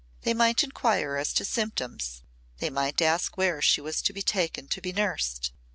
They might inquire as to symptoms, they might ask where she was to be taken to be nursed.